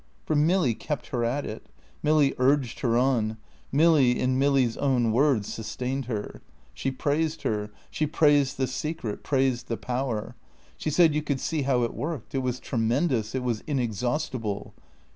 For Milly kept her at it. Milly urged her on. Milly, in Milly's own words, sustained her. She praised her; she praised the Secret, praised the Power. She said you could see how it worked. It was tremendous; it was inexhaustible.